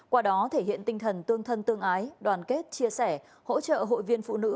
qua đó thể hiện tinh thần tương thân tương ái đoàn kết chia sẻ hỗ trợ hội viên phụ nữ